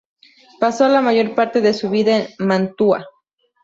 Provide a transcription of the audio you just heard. Pasó la mayor parte de su vida en Mantua.